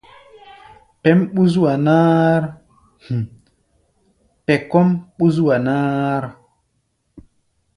Pɛʼm ɓú-zua-náár ou pɛ kɔ́ʼm ɓú-zúa-náár.